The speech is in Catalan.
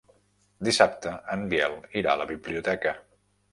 Dissabte en Biel irà a la biblioteca.